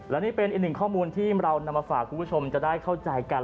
และนี่เป็นอีกหนึ่งข้อมูลที่เรานำมาฝากคุณผู้ชมจะได้เข้าใจกัน